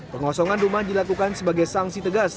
pengosongan rumah dilakukan sebagai sanksi tegas